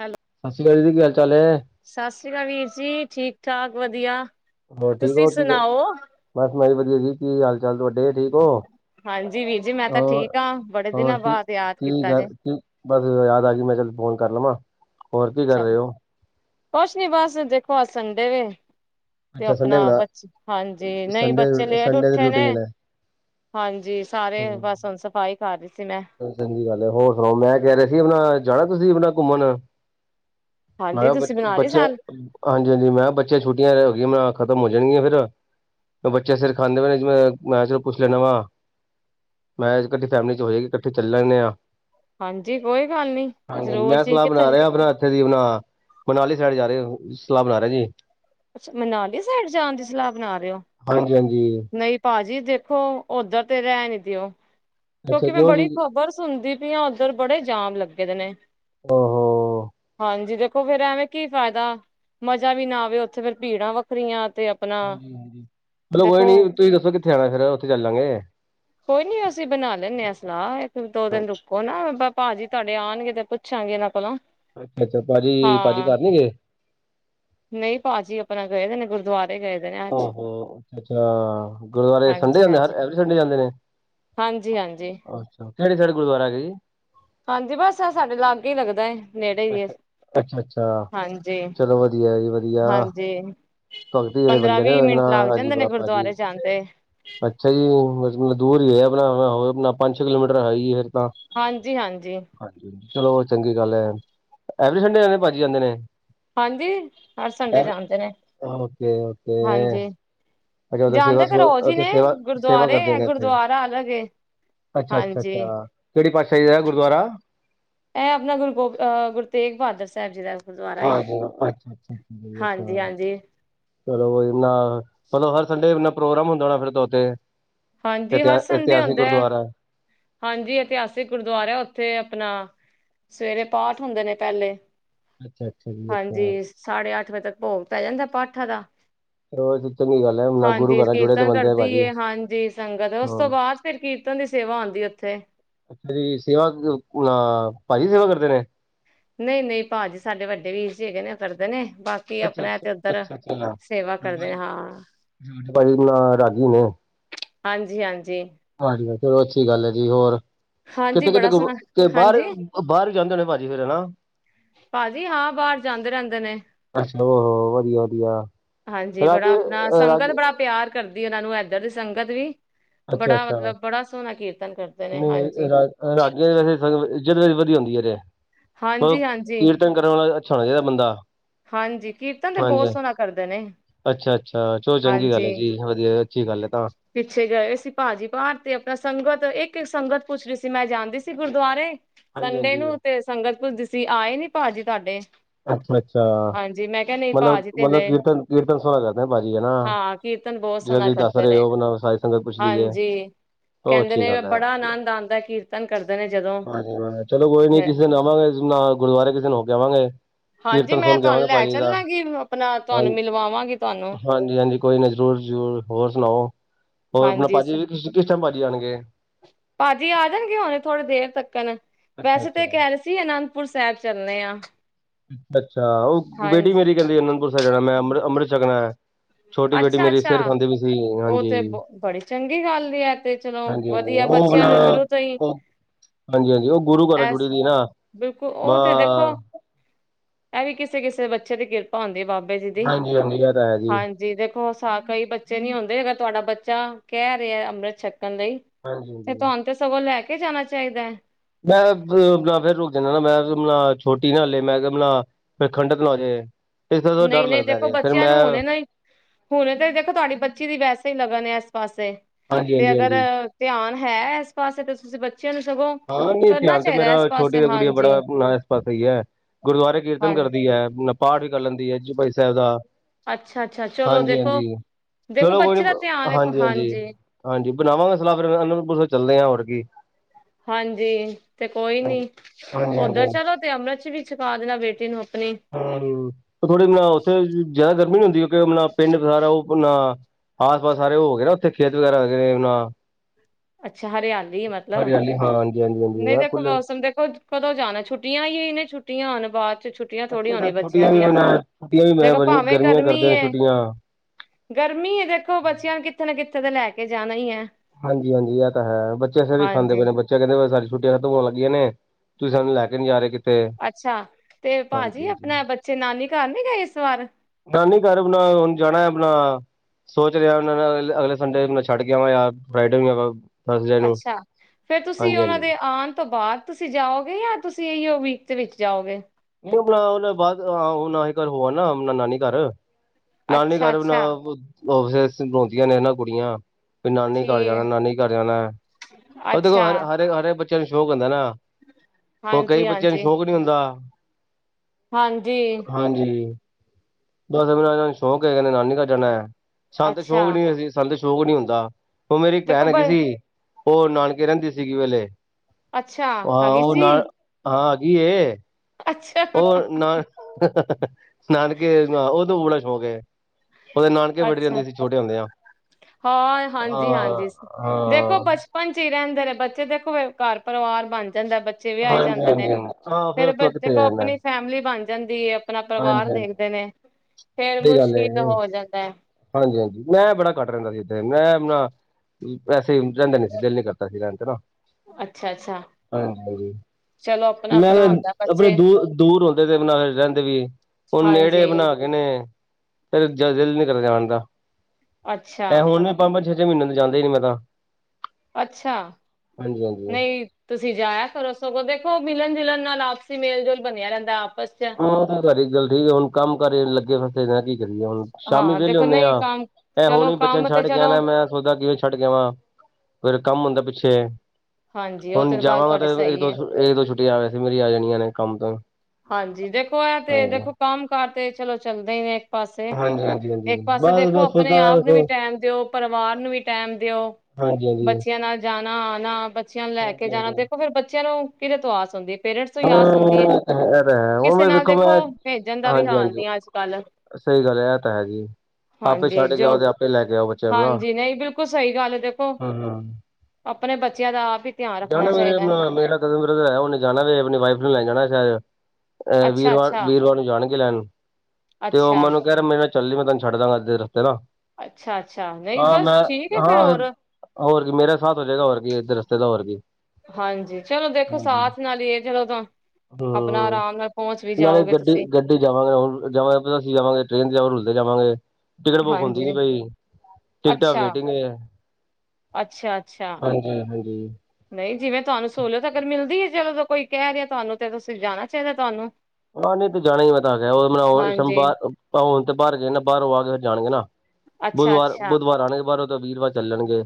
Hello. ਸਤਿ ਸ਼੍ਰੀ ਅਕਾਲ ਦੀਦੀ ਕੀ ਹਾਲ ਚਾਲ ਐ? ਸਤਿ ਸ਼੍ਰੀ ਅਕਾਲ ਵੀਰ ਜੀ ਠੀਕ- ਠਾਕ ਵਧੀਆ। ਹੋਰ ਠੀਕ ਤੁਸੀਂ ਓ ਤੁਸੀ ਜੀ ਸੁਣਾਓ? ਬਸ ਮੈਂ ਵੀ ਵਧੀਆ ਜੀ। ਕੀ ਹਾਲ- ਚਾਲ ਤੁਹਾਡੇ ਠੀਕ ਹੋ ਹਾਂਜੀ ਵੀਰ ਜੀ ਮੈਂ ਤਾਂ ਠੀਕ ਹਾਂ, ਬੜੇ ਹੋਰ-ਹੋਰ ਦਿਨਾਂ ਕੀ ਬਾਅਦ ਯਾਦ ਕੀ ਕੀਤਾ ਜੇ। ਗੱਲ ਕੀ ਬਸ ਯਾਦ ਆ ਗਈ ਮੈਂ ਕਿਹਾ ਚੱਲ ਫੋਨ ਕਰ ਲਵਾਂ ਹੋਰ ਕੀ ਕਰ ਚਲੋ, ਰਹੇ ਓ? ਕੁਛ ਨੀ ਬਸ ਦੇਖੋ ਅਜ ਸੰਡੇ ਵੇ। ਤੇ ਅੱਛਾ ਸੰਡੇ ਆਪਣਾ ਬਣਾ ਬੱਚੇ ਹਾਂਜੀ ਨਹੀਂ ਸੰਡੇ ਬੱਚੇ ਲੇਟ ਸੰਡੇ ਦੀ ਉੱਠੇ ਨੇ। ਰੂਟੀਨ ਹੈ ਹਾਂਜੀ ਸਾਰੇ ਹਮ, ਬਸ ਹੁਣ ਸਫ਼ਾਈ ਕਰ ਦਿੱਤੀ ਮੈਂ। ਚੰਗੀ ਗੱਲ ਐ ਹੋਰ ਸੁਣਾਓ ਮੈਂ ਕਹਿ ਰਿਹਾ ਸੀ ਆਪਣਾ ਜਾਣਾ ਤੁਸੀਂ ਆਪਣਾ ਘੁੰਮਣ। ਮੈਂ ਹਾਂਜੀ ਕਿਹਾ ਬ ਤੁਸੀਂ ਬਣਾ ਲਈ ਬੱਚੇ। ਸਾਗ? ਹਾਂਜੀ-ਹਾਂਜੀ ਮੈਂ ਕਿਹਾ ਬੱਚੇ ਛੁੱਟੀਆਂ ਜੀ ਹੋ ਗਈ ਮ ਖਤਮ ਹੋ ਜਾਣਗੀਆਂ ਫੇਰ। ਤੇ ਬੱਚੇ ਸਿਰ ਖਾਂਦੇ ਪਏ ਨੇ ਜਿਵੇ ਮੈਂ ਚਲੋ ਪੁੱਛ ਲੈਣਾ ਵਾ। ਮੈਂਜ ਇਕੱਠੇ ਫੈਮਿਲੀ ਚ ਹੋਏਗੀ ਇਕੱਠੇ ਚੱਲ ਲੈਂਦੇ ਆਂ। ਹਾਂਜੀ, ਕੋਈ ਗੱਲ ਨੀ, ਹਾਂਜੀ ਜ਼ਰੂਰ ਮੈਂ ਜੀ ਸਲਾਹ ਬਣਾ ਕਿੱਥੇ ਰਿਹਾ ਆਪਣਾ ਇੱਥੇ ਦੀ ਆਪਣਾ ਮਨਾਲੀ ਸਾਈਡ ਜਾ ਰਹੇ ਹੋ ਸਲਾਹ ਬਣਾ ਰਹੇ ਜੀ। ਅੱਛਾ ਮਨਾਲੀ ਸਾਈਡ ਜਾਣ ਦੀ ਸਲਾਹ ਬਣਾ ਰਹੇ ਓ। ਹਾਂਜੀ-ਹਾਂਜੀ। ਨਹੀਂ ਭਾਜੀ ਦੇਖੋ ਓਧਰ ਤੇ ਰਹਿ ਨੀ ਦਿਓ ਅੱਛਾ ਕਿਉਂਕਿ ਮੈਂ ਕਿਉਂ ਬੜੀ ਜੀ ਖ਼ਬਰ ਸੁਣਦੀ ਤੇ ਉੱਧਰ ਬੜੇ ਜਾਮ ਲੱਗੇ ਦੇ ਨੇ। ਹਾਂ। ਹਾਂਜੀ ਦੇਖੋ ਫੇਰ ਐਵੇਂ ਕੀ ਫਾਇਦਾ ਮਜ਼ਾ ਵੀ ਨਾ ਆਵੇ ਓਥੇ ਫੇਰ ਭੀੜਾਂ ਵੱਖਰੀਆਂ ਤੇ ਆਪਣਾ ਹਾਂਜੀ-ਹਾਂਜੀ ਚਲੋ ਕੋਈ ਦੇਖੋ ਨੀ ਤੁਸੀਂ ਦੱਸੋ ਕਿੱਥੇ ਜਾਣਾ ਫੇਰ ਓਥੇ ਚੱਲ ਲਾਂਗੇ। ਕੋਈ ਨੀ ਅਸੀਂ ਬਣਾ ਲੈਨੇ ਆ ਸਲਾਹ ਇੱਕ ਦੋ ਦਿਨ ਰੁਕੋ ਨਾ ਭਾਜੀ ਤੁਹਾਡੇ ਆਣਗੇ ਤੇ ਪੁੱਛ ਪੁੱਛਾਂਗੇ ਇਹਨਾਂ ਕੋਲੋਂ। ਅੱਛਾ-ਅੱਛਾ ਭਾਜੀ-ਭਾਜੀ ਹਾਂ ਘਰ ਨਹੀਂ ਗੇ। ਨਹੀਂ ਭਾਜੀ ਆਪਣਾ ਗਏ ਦੇ ਨੇ ਗੁਰਦੁਆਰੇ ਗਏ ਦੇ ਨੇ ਅੱਜ ਓਹ ਹੋ ਅੱਛਾ ਗੁਰਦੁਆਰੇ ਸੰਡੇ ਜਾਂਦੇ ਨੇ ਐਵਰੀ ਸੰਡੇ ਜਾਂਦੇ ਨੇ। ਹਾਂਜੀ-ਹਾਂਜੀ। ਅੱਛਾ, ਕਿਹੜੀ ਸਾਈਡ ਗੁਰਦੁਆਰਾ ਹੈਗਾ ਜੀ? ਹਾਂਜੀ ਬਸ, ਆ ਸਾਡੇ ਲਾਗੇ ਈ ਲੱਗਦਾ ਏ। ਅਛ ਅੱਛਾ-ਅੱਛਾ, ਹਾਂਜੀ ਚਲੋ ਵਧੀਆ ਜੀ ਵਧੀਆ। ਹਾਂਜੀ ਭਗਤੀ ਵਾਲੇ ਪੰਦਰਾਂ ਬੰਦੇ ਨੇ ਵੀਹ ਉਹ, ਮਿੰਟ ਲੱਗ ਆਜੀ ਜਾਂਦੇ ਨੇ ਬਾਪਾ ਗੁਰਦੁਆਰੇ ਭਾਜੀ। ਜਾਂਦੇ ਅੱਛਾ ਜੀ! ਮਤਲਬ ਦੂਰ ਹੀ ਹੈ ਆਪਣਾ, ਹੋਵੇ-ਹੋਵੇ ਆਪਣਾ ਪੰਜ ਛੇ ਕਿਲੋਮੀਟਰ ਹੈ ਹੀ ਆਪਣਾ। ਹਾਂਜੀ-ਹਾਂਜੀ। ਹਾਂਜੀ ਚਲੋ ਚੰਗੀ ਗੱਲ ਹੈ, ਐਵਰੀ ਸੰਡੇ ਜਾਂਦੇ ਭਾਜੀ ਜਾਂਦੇ ਨੇ। ਹਾਂਜੀ ਹਰ ਸੰਡੇ ਜਾਂਦੇ ਨੇ ਓਕੇ-ਓਕੇ। ਹਾਂਜੀ ਅੱਛਾ ਉੱਥੇ ਸੇਵਾ ਜਾਂਦੇ ਤੇ ਸੁਵਾ, ਰੋਜ਼ ਹੀ ਉੱਥੇ ਨੇ ਸੇਵਾ-ਸੇਵਾ ਗੁਰਦੁਆਰੇ ਕਰਦੇ ਇਹ ਹੋਣੇ ਉੱਥੇ। ਗੁਰਦੁਆਰਾ ਅਲੱਗ ਏ ਹਾਂਜੀ ਅੱਛਾ-ਅੱਛਾ-ਅੱਛਾ, ਕਿਹੜੇ ਪਾਤਸ਼ਾਹੀ ਦਾ ਹੈ ਗੁਰਦੁਆਰਾ? ਇਹ ਆਪਣਾ ਗੁਰੂ ਗੋ ਅਹ ਗੁਰੂ ਤੇਗ ਬਹਾਦਰ ਸਾਹਿਬ ਜੀ ਦਾ। ਗੁਰਦੁਆਰਾ ਹੈ, ਹਾਂਜੀ ਅੱਛਾ ਅੱਛਾ ਅੱਛਾ ਹਾਂਜੀ-ਹਾਂਜੀ। ਚਲੋ ਵਧੀਆ, ਹਰ ਸੰਡੇ ਆਪਣਾ ਪ੍ਰੋਗਰਾਮ ਹੁੰਦਾ ਹੋਣਾ ਫੇਰ ਤਾ ਉੱਥੇ। ਹਾਂਜੀ ਇਤਿ ਹਰ ਸੰਡੇ ਇਤਿਹਾਸਿਕ ਹੁੰਦਾ ਹੈ ਗੁਰਦੁਆਰਾ। ਹਾਂਜੀ, ਇਤਿਹਾਸਿਕ ਗੁਰਦੁਆਰਾ ਹੈ ਉੱਥੇ ਆਪਣਾ। ਸਵੇਰੇ ਪਾਠ ਹੁੰਦੇ ਨੇ ਪਹਿਲੇ, ਅੱਛਾ ਅੱਛਾ ਜੀ ਅੱਛਾ ਹਾਂਜੀ, ਸਾਡੇ ਅੱਠ ਵਜੇ ਤੱਕ ਭੋਗ ਪੈ ਜਾਂਦਾ ਪਾਠਾਂ ਦਾ। ਚਲੋ ਇਹ ਤਾਂ ਚੰਗੀ ਗੱਲ ਹੈ ਨਾ ਗੁਰੂ ਹਾਂਜੀ ਘਰਾਂ ਜੁੜੇ ਦੇ ਕੀਰਤਨ ਬੰਦੇ ਕਰਦੀ ਭਾਜੀ ਐ, ਹਾਂਜੀ। ਸੰਗਤ ਉਸ ਹਾਂ ਤੋਂ ਬਾਦ, ਫਿਰ ਕੀਰਤਨ ਦੀ ਸੇਵਾ ਆਉਂਦੀ ਉੱਥੇ। ਅੱਛਾ ਜੀ, ਸੇਵਾ ਭਾਜੀ ਸੇਵਾ ਕਰਦੇ ਨੇ। ਨਹੀ ਨਹੀ ਪਾਜੀ, ਸਾਡੇ ਵੱਡੇ ਵੀਰ ਜੀ ਹੈਗੇ ਨੇ ਓਹ ਕਰਦੇ ਨੇ। ਕੀ ਅੱਛਾ ਆਪਣਾ ਅੱਛਾ ਤੇ ਉੱਧਰ, ਅੱਛਾ ਅੱਛਾ ਸੇਵਾ ਕਰਦੇ ਨੇ, ਹਾਂ। ਭਾਜੀ ਰਾਗੀ ਨੇ [inaudible] ਹਾਂਜੀ ਹਾਂਜੀ। ਹਾਂਜੀ, ਚਲੋ ਅੱਛੀ ਗੱਲ ਹੈ ਜੀ ਹੋਰ। ਹਾਂਜੀ ਕਿਤੇ ਬੜਾ ਸੁਣਾ ਕਿਤੇ ਬਾਹਰ ਹਾਂਜੀ ਬਾਹਰ ਵੀ ਜਾਂਦੇ ਨੇ ਪਾਜੀ ਫੇਰ, ਹਨਾ। ਪਾਜੀ, ਹਾਂ ਬਾਹਰ ਜਾਂਦੇ ਰਹਿੰਦੇ ਨੇ। ਅੱਛਾ ਉਹ ਵਧੀਆ ਵਧੀਆ ਹਾਂਜੀ ਬੜਾ ਰਾਗੇ ਆਪਣਾ, ਸੰਗਤ ਰਾਗੇ ਬੜਾ ਪਿਆਰ ਕਰਦੀ ਉਹਨਾਂ ਨੂੰ ਇਏਧਰ ਦੀ ਸੰਗਤ ਵੀ, ਅੱਛਾ ਬੜਾ ਅੱਛਾ ਮਤਲਬ ਬੜਾ ਸੋਹਣਾ ਕੀਰਤਨ ਕਰਦੇ ਨੇ। ਰਾਗੀਆਂ ਵੈਸੇ ਇਜਤ ਵਧੀਆ ਹੁੰਦੀ ਹੈ, ਹਾਂਜੀ ਹਾਂਜੀ ਕੀਰਤਨ [inaudible] ਕਰਨ ਵਾਲਾ ਅੱਛਾ ਹੋਣਾ ਚਾਹੀਦਾ ਬੰਦਾ। ਹਾਂਜੀ, ਕੀਰਤਨ ਤੇ ਬਹੁਤ ਹਾਂਜੀ ਸੋਹਣਾ ਕਰਦੇ ਨੇ। ਅੱਛਾ ਅੱਛਾ, ਚਲੋ ਚੰਗੀ ਗੱਲ ਹਾਂਜੀ ਹੈ ਜੀ ਵਧੀਆ, ਅੱਛੀ ਗੱਲ ਹੈ ਤਾਂ। ਪਿੱਛੇ ਗਏ ਸੀ ਭਾਜੀ ਬਾਹਰ ਤੇ ਆਪਣਾ ਸੰਗਤ ਇੱਕ ਸੰਗਤ ਪੁੱਛ ਰਹੀ ਸੀ, ਮੈਂ ਜਾਂਦੀ ਸੀ ਗੁਰਦੁਆਰੇ ਹਾਂਜੀ ਸੰਡੇ ਹਾਂਜੀ ਨੂੰ ਤੇ ਸੰਗਤ ਪੁੱਛਦੀ ਸੀ, ਆਏ ਨੀ ਭਾਜੀ ਤੁਹਾਡੇ। ਅੱਛਾ ਅੱਛਾ, ਹਾਂਜੀ ਮੈਂ ਕਿਹਾ ਨਹੀਂ ਮਤਲਬ- ਭਾਜੀ ਤੇ ਮਤਲਬ ਹਲੇ ਕੀਰਤਨ ਕੀਰਤਨ ਸੋਹਣਾ ਕਰਦੇ ਪਾਜੀ, ਹੈਨਾ। ਹਾਂ ਕੀਰਤਨ ਬਹੁਤ [inaudible] ਸੋਹਣਾ ਜਿਵੇ ਦੱਸ ਕਰਦੇ ਨੇ ਰਹੇ, ਸਾਰੀ ਸੰਗਤ ਪੁੱਛ ਰਹੀ ਹੈ। ਹਾਂਜੀ ਓਹ ਕਹਿੰਦੇ ਅੱਛੀ ਨੇ ਗੱਲ ਐ। ਬੜਾ ਆਨੰਦ ਆਂਦਾ ਕੀਰਤਨ ਕਰਦੇ ਜਦੋ, ਹਾਂਜੀ ਚਲੋ ਕੋਈ ਨੀ, ਕਿਸੇ ਦਿਨ ਆਵਾਂਗੇ ਗੁਰਦੁਆਰੇ ਕਿਸੇ ਦਿਨ ਹੋਕੇ ਆਵਾਂਗੇ। ਹਾਂਜੀ ਕੀਰਤਨ ਮੈਂ ਸੁਣਕੇ ਕੇ ਤੁਹਾਨੂੰ ਆਵਾਂਗੇ ਲੈ ਭਾਜੀ ਦਾ, ਚੱਲਾਂਗੀ ਆਪਣਾ ਹਾਂ ਤੁਹਾਨੂੰ ਮਿਲਵਾਵਾਂਗੀ ਤੁਹਾਨੂੰ ਹਾਂਜੀ ਹਾਂਜੀ। ਕੋਈ ਨਾ ਜ਼ਰੂਰ ਜ਼ਰੂਰ, ਹੋਰ ਸੁਣਾਓ, ਹੋਰ ਆਪਣਾ ਹਾਂਜੀ ਭਾਜੀ ਕਿਸ ਟਾਈਮ ਭਾਜੀ ਆਣਗੇ? ਭਾਜੀ ਆ ਜਾਣਗੇ ਹੁਣੇ ਥੋੜੇ ਦੇਰ ਤੱਕ, ਅੱਛਾ ਵੈਸੇ ਤਾਂ ਅੱਛਾ ਕਹਿ ਰਹੇ ਸੀ ਅਸੀਂ ਅਨੰਦਪੁਰ ਸਾਹਿਬ ਚੱਲਣੇ ਆਾਂ। ਅੱਛਾ! ਉਹ ਬੇਟੀ ਮੇਰੀ ਕਹਿੰਦੀ ਅਨੰਦਪੁਰ ਸਾਹਿਬ ਜਾਣਾ, ਮੈਂ ਅੰਮ ਅੰਮ੍ਰਿਤ ਛਕਣਾ ਐ। ਅੱਛਾ ਅੱਛਾ! ਉਹ ਤੇ ਹਾਂਜੀ ਬ ਬੜੀ ਚੰਗੀ ਗੱਲ ਹੀ ਹੈ ਤੇ ਚਲੋ। ਹਾਂਜੀ ਹਾਂਜੀ ਵਧੀਆ ਉਹ ਬੱਚਿਆਂ ਆਪਣਾ ਨੂੰ ਸ਼ੁਰੂ ਤੋਂ ਹੀ, ਹਾਂਜੀ ਹਾਂਜੀ ਉਹ ਗੁਰੂ ਘਰਾਂ ਐਸ, ਜੁੜੀ ਦੀ ਨਾ ਬਿਲਕੁਲ ਬ ਉਹ ਤੇ ਦੇਖੋ ਇਹ ਵੀ ਕਿਸੇ ਕਿਸੇ ਬੱਚੇ ਦੀ ਕਿਰਪਾ ਹੁੰਦੀ ਹੈ ਬਾਬੇ ਜੀ ਦੀ, ਹਾਂਜੀ ਹਾਂਜੀ ਇਹ ਤਾਂ ਹੈ ਹਾਂਜੀ। ਜੀ ਦੇਖੋ ਸਾ ਕਈ ਬੱਚੇ ਨੀ ਆਉਂਦੇ, ਅਗਰ ਤੁਹਾਡਾ ਬੱਚਾ ਕਹਿ ਰਿਹਾ ਆ ਅੰਮ੍ਰਿਤ ਛਕਣ ਲਈ ਹਾਂਜੀ ਤੇ ਹਾਂਜੀ ਤੁਹਾਨੂੰ ਤੇ ਸਗੋਂ ਲੈ ਕੇ ਜਾਣਾ ਚਾਹੀਦਾ ਹੈ। ਮੈਂ ਫੇਿਰ ਰੁਕ ਜਾਂਦਾ ਨਾ ਮੈਂ ਮਲ ਛੋਟੀ ਨਾ ਹਾਲੇ, ਮੈਂ ਕਿਹਾ ਮ [inaudible] ਫਰ ਖੰਡਿਤ ਨਾ ਹੋਜੇ, ਇਸੀ ਦਾ ਦਰ ਲਗਦਾ ਐ, ਫਰ ਮੈ ਹੁਣ ਤੇ ਦੇਖੋ ਤੁਹਾਡੀ ਬੱਚੀ ਦੀ ਵੈਸੇ ਹੀ ਲੱਗਨ ਇਸ ਪਾਸੇ, ਹਾਂਜੀ ਤੇ ਹਾਂਜੀ ਅਗਰ ਹਾਂਜੀ ਧਿਆਨ ਹੈ ਇਸ ਪਾਸੇ ਤੇ ਤੁਸੀਂ ਬੱਚਿਆਂ ਨੂੰ ਹਾਂ ਨਹੀਂ ਕਰਨਾ ਧਿਆਨ ਤੇ ਚਾਹੀਦਾ ਇਸ ਮੇਰਾ ਪਾਸੇ ਛੋਟੀ ਦਾ ਕੁੜੀ ਹਾਂਜੀ ਬੜਾ ਨਾ, ਇਸ ਪਾਸੇ ਹੀ ਹੈ। ਗੁਰਦੁਆਰੇ ਕੀਰਤਨ ਹਾਂਜੀ ਕਰਦੀ ਹੈ, ਪਾਠ ਵੀ ਕਰ ਲੈਂਦੀ ਹੈ ਚੋਪਈ ਸਾਹਿਬ ਦਾ। ਅੱਛਾ ਅੱਛਾ ਚਲੋ ਹਾਂਜੀ ਦੇਖੋ ਹਾਂਜੀ, ਦੇਖੋ ਚਲੋ ਕੋਈ ਬੱਚੇ ਨੀ, ਦਾ ਧਿਆਨ ਦੇਖੋ ਹਾਂਜੀ ਹਾਂਜੀ ਹਾਂਜੀ ਬਣਾਵਾਂਗੇ ਸਲਾਹ, ਫੇਰ ਅਨੰਦਪੁਰ ਤੋਂ ਚੱਲਦੇ ਹਾਂ, ਹੋਰ ਕੀ। ਹਾਂਜੀ ਤੇ ਕੋਈ ਨੀ, ਹਾਂਜੀ ਉੱਧਰ ਹਾਂਜੀ ਚਲੋ ਤੇ ਅੰਮ੍ਰਿਤ ਵੀ ਛਕਾ ਦੇਣਾ ਬੇਟੀ ਨੂੰ ਆਪਣੀ। ਹਾਂ ਥੋੜੀ ਮ ਉੱਥੇ ਜ਼ਿਆਦਾ ਗਰਮੀ ਨੀ ਹੁੰਦੀ, ਕਿਉਂਕਿ ਪਿੰਡ ਸਾਰਾ ਉਹ [inaudible] ਆਸ ਪਾਸ ਸਾਰੇ ਹੋ ਗਏ ਨਾ ਉੱਥੇ, ਖੇਤ ਵਗੈਰਾ ਵ ਨੇ। ਅੱਛਾ, ਹਰਿਆਲੀ ਮਤਲਬ, ਹਰਿਆਲੀ ਹਾਂ ਹਾਂਜੀ ਹਾਂਜੀ ਹਾਂਜੀ ਨਹੀਂ ਮੈਂ ਦੇਖੋ ਖੁੱਲੇ ਮੌਸਮ ਦੇਖੋ ਕਦੋਂ ਜਾਣਾ ਛੁੱਟ ਹੀਨ ਛੁੱਟੀਆਂ ਹਨ, ਬਾਅਦ [inaudible] ਛੁੱਟੀਆਂ ਥੋੜ੍ਹੀ ਬੱਚੇ ਤਾਂ ਹੋਣੀ ਬੱਚਿਆਂ ਛੁੱਟੀਆਂ ਵੀ ਦੀਆਂ, ਮਨਾ ਛੁੱਟੀਆਂ ਵੀ ਮੈਂ ਦੇਖੋ ਬੜੀ ਭਾਵੇਂ ਗਰਮੀਆਂ ਗਰਮੀ ਕਰਦੇ ਨੇ ਐ। ਛੁੱਟੀਆਂ ਗਰਮੀ ਹੈ ਦੇਖੋ, ਬੱਚਿਆਂ ਨੂੰ ਕਿੱਥੇ ਨਾ ਕਿੱਥੇ ਤਾਂ ਲੈ ਕੇ ਜਾਣਾ ਹੀ ਹੈ। ਹਾਂਜੀ ਹਾਂਜੀ ਇਹ ਤਾਂ ਹੈ, ਬੱਚੇ ਸਿਰ ਵੀ ਖਾਂਦੇ ਹਾਂਜੀ ਪਏ ਨੇ ੱਬਚੇ ਕਹਿੰਦੇ ਪਏ ਆਂ ਛੱਟੀਆ ਖਤਮ ਹੋਣ ਲਗੀਆ ਨੇ, ਤੁਸੀਂ ਸਾਨੂੰ ਲੈ ਕੇ ਨੀ ਜਾ ਰਹੇ। ਅੱਛਾ, ਤੇ ਹਾਂਜੀ ਭਾਜੀ ਹਾਂਜੀ ਆਪਣੇ ਬੱਚੇ ਨਾਨੀ ਘਰ ਨੀ ਗਏ ਇਸ ਵਾਰ? ਨਾਨੀ ਕਰ ਅਪਣਾ ਹੁਣ ਜਾਣਾ ਹੈ ਆਪਣਾ ਸੋਚ ਰਿਹਾ ਉਹਨਾਂ ਨੇ ਅਗਲੇ ਸੰਡੇ ਮੈਂ ਛੱਡ ਕੇ ਆਵਾ, ਯਾ ਫਰਾਈਡੇ ਵੀ ਅੱਛਾ, ਫੇਰ ਤੁਸੀਂ ਉਹਨਾਂ ਦੇ ਆਉਣ ਤੋਂ ਬਾਅਦ ਤੁਸੀਂ ਜਾਓਗੇ ਜਾਂ ਤੁਸੀਂ ਇਹੀਓ ਵੀਕ ਦੇ ਵਿੱਚ ਜਾਓਗੇ? ਨਹੀਂ ਉਹ ਬਾਅਦ, ਆਹ ਉਹ ਨਾ ਇਹ ਘਰ ਹੋ ਆਨ ਨ ਨਾਨੀ ਘਰ ਨਾਨੀ ਘ ਅੱਛਾ ਨਾ ਅੱਛਾ ਫ ਰੋਂਦੀਆਂ ਨੇ ਨਾ ਕੁੜੀਆਂ ਵੀ ਨਾਨੀ ਘਰ ਠੀਕ ਜਾਣਾ, ਹੈ ਨਾਨੀ ਘਰ ਜਾਣਾ ਉਹ ਦੇਖੋ ਅੱਛਾ ਹਰ ਹਰੇ ਹਰੇਕ ਬੱਚਿਆਂ ਨੂੰ ਸ਼ੌਕ ਹੁੰਦਾ ਨਾ, ਉਹ ਕਈ ਹਾਂਜੀ ਬੱਚਿਆਂ ਨੂੰ ਹਾਂਜੀ ਸ਼ੌਕ ਨ ਹੁੰਦਾ। ਹਾਂਜੀ। ਹਾਂਜੀ, ਹੁਨ ਇਨਾ ਸ਼ੌਂਕ ਹੈ ਕਹਿੰਦੇ ਨਾਨੀ ਕਰ ਜਾਣਾ, ਸ਼ਾਨੂੰ ਤੇ ਅੱਛਾ ਸ਼ੌਕ ਨੀ ਅਸੀ ਦ ਸ਼ੋਕ ਨਹੀਂੀ ਹੁੰਦਾ, ਉਹ ਮੇਰੀ ਇੱਕ ਦੇਖੋ ਭੈਣ ਬ ਹੈਗੀ ਸੀ। ਉਹ ਨਾਨਕੇ ਰਹਿੰਦੀ ਸੀਗੀ ਪੈਲੇ, ਅੱਛਾ ਹਾਂ ਹੈਗੀ ਉਹ ਨ ਸੀ ਹਾਂ ਆਗੀ ਅੱਛਾ ਉਹ ਨਾਨਕੇ, ਉਹ ਤੋਂ ਬੂੜਾ ਸ਼ੌਕ ਹੈ। ਉਹਦੇ ਨਾਨਕੇ ਵੜੀ ਅੱਛਾ ਰਹਿੰਦੀ ਸੀ, ਛੋਟੇ ਹੁੰਦੇ ਆਾਂ। ਹਾਂ ਹਾਂਜੀ ਹਾਂਜੀ, ਦੇਖੋ ਹਾਂ ਬਚੇ ਰਹਿੰਦੇ ਨੇ ਬੱਚੇ ਦੇਖੋ, ਘਰ ਪਰਿਵਾਰ ਬਣ ਜਾਂਦਾ ਬ ਬੱਚੇ ਵਿਆਹੇ ਹਾਂਜੀ ਜਾਂਦੇ ਨੇ, ਹਾਂਜੀ ਹਾਂ ਹਾਂ ਫੇਰ ਫੇਿਰ ਉਸ ਤੋਂ ਬਾਅਦ ਕਿੱਥੇ ਦੇਖੋ ਜਾਇਆ ਜਾਂਦਾ ਆਪਣੀ ਫੈਮਿਲੀ ਬਣ ਜਾਂਦੀ ਹੈ ਆਪਣਾ ਪਰਿਵਾਰ ਹਾਂਜੀ ਹਾਂਜੀ ਦੇਖਦੇ ਨੇ, ਫੇਰ ਸਹੀ ਗੱਲ ਮੁਸ਼ਕਿਲ ਤਾਂ ਏ ਹੋ ਜਾਂਦਾ। ਹਾਂਜੀ ਹਾਂਜੀ, ਮੈਂ ਬੜਾ ਘੱਟ ਰਹਿੰਦਾ ਸੀ ਇੱਥੇ, ਮੈਂ ਆਪਣਾ ਵੈਸੇ ਹੀ ਰਹਿੰਦੇ ਨੀ ਸੀ ਦਿਲ ਨੀ ਕਰਦਾ ਸੀ ਰਹਿਣ ਤੇ ਨਾ ਅੱਛਾ ਅੱਛਾ ਹਾਂਜੀ ਚਲੋ ਆਪਣਾ ਹਾਂਜੀ ਮੈਂ ਆਪਣਾ ਹੁੰਦਾ ਆਪਣੇ ਬੱਚੇ ਦੂਰ ਦੂਰ ਆਦਾ ਬਣਾ ਕੇ ਰਹਿੰਦੇ ਵੀ ਹੁਣ ਨੇੜੇ ਹਾਂਜੀ ਬਣਾ ਕੇ ਨੇ ਫਿਰ ਦਿਲ ਨੀ ਜਾਣ ਦਾ ਅੱਛਾ ਇਹ ਹੁਣ ਵੀ ਪੰਜ ਪੰਜ ਛੇ ਛੇ ਮਹੀਨਿਆਂ ਜਾਂਦਾ ਹੀ ਨੀ ਮੈਂ ਤਾਂ ਅੱਛਾ ਹਾਂਜੀ ਹਾਂਜੀ ਨਹੀਂ ਤੁਸੀਂ ਜਾਇਆ ਕਰੋ ਸਗੋਂ ਦੇਖੋ ਮਿਲਣ ਜੁਲਣ ਨਾਲ ਆਪਸੀ ਮੇਲ ਜੋਲ ਬਣਿਆ ਰਹਿੰਦਾ ਆਪਸ ਚ ਉਹ ਤਾਂ ਤੁਹਾਡੀ ਗੱਲ ਠੀਕ ਆ ਹੁਣ ਕੰਮ ਕਾਰੇ ਲੱਗੇ ਫਸੇ ਨਾ ਕੀ ਕਰੀਏ ਹੁਣ ਸ਼ਾਮੀ ਹਾਂ ਵਿਹਲੇ ਦੇਖੋ ਹੁੰਦੇ ਨਹੀਂ ਹਾਂ ਕੰਮ ਇਹ ਹੁਣ ਚਲੋ ਵੀ ਬੱਚਿਆਂ ਨੂੰ ਕੰਮ ਤੇ ਛੱਡ ਕੇ ਚਲੋ ਆਣਾ ਮੈਂ ਸੋਦਾ ਕੇ ਛੱਡ ਕੇ ਆਵਾਂ ਫੇਰ ਕੰਮ ਹੁੰਦਾ ਪਿੱਛੇ ਹਾਂਜੀ ਉਹ ਹੁਣ ਤੇ ਗੱਲ ਜਾਵਾਂਗਾ ਤੁਹਾਡੀ ਤੇ ਇੱਕ ਸਹੀ ਦੋ ਹੈ ਦੋ ਛੁੱਟੀ ਆ ਜਾਣੀਆਂ ਨੇ ਮੇਰੀਆ ਕੰਮ ਤੋਂ ਹਾਂਜੀ ਦੇਖੋ ਇਹ ਤੇ ਹਾਂਜੀ ਦੇਖੋ ਕੰਮ ਕਾਰ ਤੇ ਚਲੋ ਚੱਲਦੇ ਹੀ ਨੇ। ਇਕ ਪਾਸੇ ਹਾਂਜੀ ਹਾਂਜੀ ਹਾਂਜੀ ਇੱਕ ਪਾਸੇ ਬਸ ਦੇਖੋ ਬਸ ਆਪਣੇ ਓਦਾਂ ਦਾ ਆਪ ਨੂੰ ਵੀ ਦੱਸੋ ਟੈਮ ਦਿਓ। ਪਰਿਵਾਰ ਨੂੰ ਵੀ ਟੈਮ ਦਿਓ ਹਾਂਜੀ ਹਾਂਜੀ ਬੱਚਿਆਂ ਨਾਲ ਜਾਣਾ ਆਉਣਾ। ਬੱਚਿਆਂ ਨੂੰ ਲੈ ਕੇ ਹਾਂਜੀ ਹਾਂਜੀ ਜਾਣਾ ਦੇਖੋ ਫਿਰ ਬੱਚਿਆਂ ਨੂੰ ਕਿਹਦੇ ਤੋਂ ਆਸ ਹੁੰਦੀ ਹੈ ਪੇਰੈਂਟਸ ਤੋਂ ਹੀ ਆਸ ਹੁੰਦੀ ਹੈ। ਹਾਂ ਇਹ ਤੇ ਹੈ ਹੁਣ ਕਿਸੇ ਇਹ ਨਾਲ ਦੇਖੋ ਮੈਂ ਭੇਜਣ ਦਾ ਵੀ ਹਾਂਜੀ ਹਾਲ ਹਾਂਜੀ ਨੀ ਅੱਜ ਕੱਲ ਸਹੀ ਗੱਲ ਏ ਇਹ ਤਾਂ ਹੈ ਜੀ। ਆਪੇ ਹਾਂਜੀ ਛੱਡ ਕੇ ਜੋ ਆਓ ਤੇ ਆਪੇ ਲੈ ਕੇ ਆਓ ਬੱਚਿਆਂ ਨੂੰ ਨਾ ਹਾਂਜੀ ਨਹੀਂ ਬਿਲਕੁਲ ਸਹੀ ਗੱਲ ਹੈ ਦੇਖੋ ਹਮ ਹਮ ਆਪਣੇ ਬੱਚਿਆਂ ਦਾ ਆਪ ਹੀ ਧਿਆਨ ਰੱਖਣਾ ਜਾਣਾ ਮੇਰੇ ਚਾਹੀਦਾ ਹੈ। ਆਪਣਾ ਮੇਰਾ ਕਦਨ ਬ੍ਰਦਰ ਹੈ ਉਹਨੇ ਜਾਣਾ ਵੇ ਆਪਣੀ ਵਾਈਫ ਨੂੰ ਲੈ ਜਾਣਾ ਸ਼ਾਇਦ ਅਹ ਅੱਛਾ ਵੀਰਵਾਰ ਅੱਛਾ ਵੀਰਵਾਰ ਨੂੰ ਜਾਣਗੇ ਲੈਣ ਤੇ ਉਹ ਅੱਛਾ ਮੈਨੂੰ ਕਹਿ ਰਿਹਾ ਮੇਨੂੰ ਚੱਲੀ ਮੈਂ ਤੈਨੂੰ ਛੱਡ ਦਾਂਗਾ ਅੱਧੇ ਰਸਤੇ ਨਾ ਅੱਛਾ ਅੱਛਾ ਨਹੀਂ ਹਾਂ ਬਸ ਮੈਂ ਠੀਕ ਹੈ ਫਿਰ ਹਾਂ ਹੋਰ ਹੋਰ ਕੀ ਮੇਰਾ ਸਾਥ ਹੋ ਜਾਏਗਾ ਹੋਰ ਕੀ ਇੱਧਰ ਚਲੋ ਹੋਰ ਕੀ। ਹਾਂਜੀ ਚਲੋ ਦੇਖੋ ਸਾਥ ਨਾਲ ਹੀ ਹੈ ਚਲੋ ਤਾਂ ਆਪਣਾ ਹੂੰ ਆਰਾਮ ਨਾਲ ਪਹੁੰਚ ਵੀ ਨਾਲੇ ਜਾਓਗੇ ਗੱਡੀ ਤੁਸੀਂ ਗੱਡੀ ਜਾਵਾਂਗੇ ਹੁਣ ਜਾਵਗੇ ਅਸੀ ਜਾਵਾਂਗੇ ਟ੍ਰੇਨ ਤੇ ਜਾਵਗੇ ਰੁਲਦੇ ਜਾਵਾਂਗੇ ਟਿਕਟ ਬੁੱਕ ਹੁੰਦੀ ਹਾਂਜੀ ਨੀ ਪਾਈ ਟਿਕਟਾਂ ਅੱਛਾ ਵੇਟਿੰਗ ਤੇ ਐ ਅੱਛਾ ਅੱਛਾ ਹਾਂਜੀ ਹਾਂਜੀ ਨਹੀਂ ਜਿਵੇਂ ਤੁਹਾਨੂੰ ਸਹੂਲਤ ਅਗਰ ਮਿਲਦੀ ਹੈ ਜਦੋਂ ਕੋਈ ਕਹਿ ਰਿਹਾ ਤੁਹਾਨੂੰ ਤੇ ਤੁਸੀਂ ਜਾਣਾ ਚਾਹੀਦਾ ਤੁਹਾਨੂੰ। ਆਹ ਨਹੀਂ ਤੇ ਜਾਣਾ ਹੀ ਮੈਂ ਤਾਂ ਉਹ ਹਾਂਜੀ ਬ ਹੁਣ ਤੇ ਬਾਹਰ ਗਏ ਨਾ ਬਾਹਰੋਂ ਆ ਕੇ ਫਿਰ ਜਾਣਗੇ ਨਾ। ਅੱਛਾ ਬੁੱਧਵਾਰ ਅੱਛਾ ਬੁੱਧਵਾਰ ਆਣਗੇ ਬਾਹਰੋਂ ਤਾਂ ਵੀਰਵਾਰ ਚੱਲਣਗੇ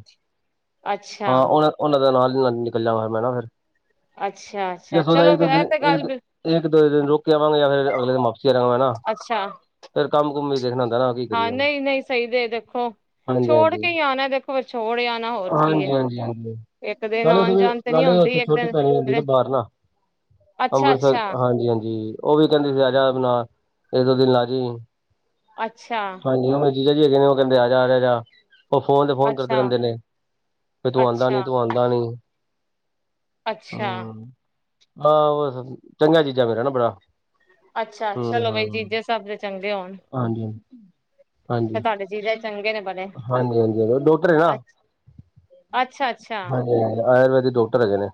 ਅੱਛਾ ਹਾਂ ਉਹਨਾ ਉਹਨਾਂ ਦਾ ਨਾਲ ਨਾਲ ਨਿਕਲ ਜਾਣਾ ਫੇਰ ਮੈਂ ਨਾ ਫਿਰ ਅੱਛਾ ਅੱਛਾ ਜੱਸੋ ਚਲੋ ਇਹ ਤੇ ਗੱਲ ਬਿਲ ਇੱਕ ਦੋ ਦਿਨ ਰੁਕ ਕੇ ਆਵਾਂਗੇ ਜਾਂ ਫਿਰ ਅਗਲੇ ਦਿਨ ਵਾਪਸੀ ਆ ਜਾਵਾਂਗੇ ਨਾ। ਅੱਛਾ ਫਿਰ ਕੰਮ ਕੁਮ ਵੀ ਦੇਖਣਾ ਹੁੰਦਾ ਨਾ ਕੀ ਹਾਂ ਕਰੀਏ ਨਹੀਂ ਨਹੀਂ ਸਹੀ ਦੇ ਦੇਖੋ। ਹਾਂਜੀ ਛੋੜ ਹਾਂਜੀ ਕੇ ਹੀ ਆਉਣਾ ਦੇਖੋ ਛੋੜ ਆਣਾ ਹੋਰ ਹਾਂਜੀ ਕੀ ਹੈ। ਹਾਂਜੀ ਹਾਂਜੀ। ਇੱਕ ਦਿਨ ਨਾਲੇ ਆਉਣ ਉ ਜਾਣ ਤੇ ਨੀ ਨਾਲੇ ਆਉਂਦੀ ਉੱਥੇ ਇੱਕ ਛੋਟੀ ਦਿਨ ਭੈਣੀ ਹੁੰਦੀ ਨਾ ਰਹਿ ਬਾਹਰ ਨਾ ਅੱਛਾ ਅੰਮ੍ਰਿਤਸਰ ਅੱਛਾ ਹਾਂਜੀ, ਹਾਂਜੀ। ਉਹ ਵੀ ਕਹਿੰਦੀ ਸੀ ਆਜਾ ਆਪਣਾ ਇਹ ਦੋ ਦਿਨ ਲਾ ਜਾਈ। ਅੱਛਾ। ਹਾਂਜੀ ਓ ਮੇਰੇ ਜੀਜਾ ਜੀ ਹੈਗੇ ਨੇ ਉਹ ਕਹਿੰਦੇ ਮੈਂ ਆ ਜਾ ਯਾਰ। ਉਹ ਫੋਨ ਤੇ ਫੋਨ ਕਰਦੇ ਅੱਛਾ ਰਹਿੰਦੇ ਨੇ ਵੀ ਤੂੰ ਆਉਂਦਾ ਨੀ ਅੱਛਾ ਤੂੰ ਆਉਂਦਾ ਨੀ। ਅੱਛਾ ਹਮ ਆਹ ਹਾਂ ਬਸ ਚੰਗਾ ਜੀਜਾ ਮੇਰਾ ਨਾ ਬੜਾ। ਅੱਛਾ ਹੂੰ ਚਲੋ ਹੂੰ ਬਈ ਜੀਜੇ ਸਭ ਦੇ ਚੰਗੇ ਹੋਣ ਹਾਂਜੀ ਫਿਰ ਹਾਂਜੀ ਤੁਹਾਡੇ ਜੀਜਾ ਜੀ। ਚੰਗੇ ਨੇ ਬੜੇ। ਹਾਂਜੀ ਹਾਂਜੀ ਡੋਟਰ ਏ ਨਾ। ਅ ਅੱਛਾ ਅੱਛਾ ਹਾਂਜੀ ਆਯੁਰਵੈਦਿਕ ਡਾਕਟਰ ਹੈਗੇ ਨੇ।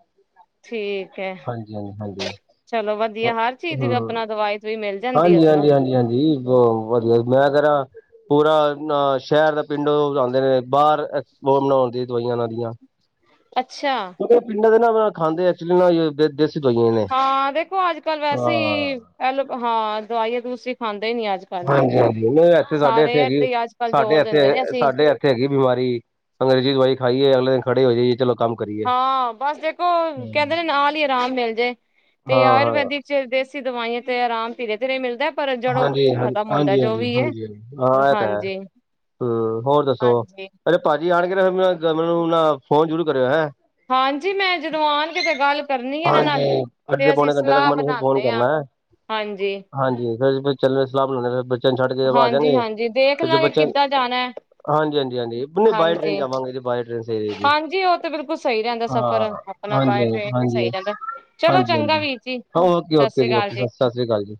ਠੀਕ ਹੈ ਹਾਂਜੀ- ਹਾਂਜੀ ਹਾਂਜੀ। ਚਲੋ ਵਧੀਆ ਹਰ ਚੀਜ਼ ਦੀ ਹੂੰ, ਆਪਣਾ ਦਵਾਈ ਦਵੂਈ ਮਿਲ ਜਾਂਦੀ ਹਾਂਜੀ- ਉੱਧਰੋਂ ਹਾਂਜੀ, ਹਾਂਜੀ- ਹਾਂਜੀ। ਉਹ ਵਧੀਆ ਮੈਂ ਕਰਾਂ ਪੂਰਾ ਅ ਸ਼ਹਿਰ ਦਾ। ਪਿੰਡੋ ਬੁਲਾਂਦੇ ਨੇ ਬਾਹਰ ਐਕਸਪੋਰਟ ਨਾ ਹੁੰਦੀ ਦਵਾਈਆਂ ਉਹਨਾਂ ਦੀਆਂ। ਅੱਛਾ। ਪਿੰਡਾਂ ਦੇ ਨਾ ਖਾਂਦੇ ਐਕਚੁਲੀ ਨਾ। ਦਵਾਈਆਂ ਨੇ ਹਾਂ ਦੇਖੋ ਅੱਜ ਕੱਲ ਵੈਸੇ ਹੀ ਐਲੋ ਹਾਂ ਦਵਾਈਆਂ ਦੂਸੀ ਖਾਂਦੇ ਨੀ ਅੱਜ ਕੱਲ। ਹਾਂਜੀ- ਹਾਂਜੀ ਉਹ ਇਥੇ ਸਾਡੇ ਇੱਥੇ ਸਾਰੇ ਹੈਗੀ, ਤੇ ਅੱਜ ਕੱਲ ਸਾਡੇ ਜ਼ੋਰ ਦਿੰਦੇ ਨੇ ਇੱਥੇ, ਅਸੀਂ ਸਾਡੇ ਇਥੇ ਥੇ ਹੈਗੀ ਬਿਮਾਰੀ ਅੰਗਰੇਜ਼ੀ ਦਵਾਈ ਖਾਈਏ ਅਗਲੇ ਦਿਨ ਖੜੇ ਹੋ ਜਾਇਏ ਜੀ ਚਲੋ। ਕੰਮ ਕਰੀਏ ਹਾਂ ਬਸ ਦੇਖੋ ਕਹਿੰਦੇ ਨੇ ਨਾਲ ਹੀ ਆਰਾਮ ਮਿਲ ਜਾਏ, ਤੇ ਹਾਂ ਹਾਂ ਆਯੁਰਵੈਦਿਕ ਚੱਲਦੇ ਸੀ ਦਵਾਈਆਂ ਤੇ ਆਰਾਮ ਪੀਰੇ-ਧੀਰੇ ਹੀ ਮਿਲਦਾ। ਪਰ ਜੜੋਂ ਹਾਂਜੀ ਹ ਖਤਮ ਹੁੰਦਾ ਹਜੀ ਜੋ ਹਾਂਜੀ- ਵੀ ਹੈ ਹਾਂਜੀ ਹਾਂ ਐ ਤਾਂ ਹੈ। ਹਾਂਜੀ ਹੂੰ ਹੋਰ ਦੱਸੋ ਹਾਂਜੀ ਅਰੇ ਭਾਜੀ ਆਣ ਕੇ ਫੇਰ ਮੈਨੂੰ ਨਾ ਫੋਨ ਜ਼ਰੂਰ ਕਰਿਓ, ਹੈਂ। ਹਾਂਜੀ ਮੈਂ ਜਦੋਂ ਆਉਣਗੇ ਤੇ ਗੱਲ ਕਰਨੀ ਇਹਨਾਂ ਨਾਲ, ਹਾਂਜੀ, ਅੱਧੇ ਤੇ ਅਸੀਂ ਪੌਣੇ ਘੰਟੇ ਤੱਕ ਸਲਾਹ ਮੈਨੂੰ ਫਿਰ ਫੋਨ ਬਣਾਦੇ ਹਾਂ ਕਰਨਾ ਹੈ ਹਾਂਜੀ। ਹਾਂਜੀ ਫੇਰ ਬ ਚੱਲ ਸਲਾਹ ਬਣਾਉਦੇ ਫੇਰ ਬੱਚਿਆਂ ਨੂੰ ਛੱਡ ਕੇ ਆ ਹਾਂਜੀ ਜਾਂਗੇ, ਹਾਂਜੀ ਦੇਖ ਫੇਰ ਜ ਲਾਂਗੇ ਬੱਚਾ ਕਿੱਦਾਂ ਜਾਣਾ ਹਾਂਜੀ- ਹਾਂਜੀ ਹਾਂਜੀ ਨਹੀਂ ਬਾਏ ਟ੍ਰੇਨ ਹਾਂਜੀ ਜਾਵਾਂਗੇ ਜੀ, ਬਾਏ ਟ੍ਰੇਨ ਸਹੀ ਰਹੇਗੀ ਹਾਂਜੀ ਉਹ ਤੇ ਬਿਲਕੁਲ ਸਹੀ ਰਹਿੰਦਾ ਸਫ਼ਰ ਹਾਂ। ਆਪਣਾ ਬਾਏ ਹਾਂਜੀ- ਹਾਂਜੀ ਟ੍ਰੇਨ ਵੀ ਹਾਂਜੀ ਸਹੀ ਏ ਰਹਿੰਦਾ ਚਲੋ ਚੰਗਾ ਹਾਂਜੀ-ਹਾਂਜੀ ਵੀਰ ਜੀ ਓਕੇ- ਸਤਿ ਓਕੇ ਸ੍ਰੀ ਜੀ ਅਕਾਲ ਓਕੇ ਸਤਿ ਸ੍ਰੀ ਅਕਾਲ ਜੀ।